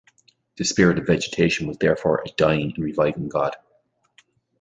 The spirit of vegetation was therefore a "dying and reviving god".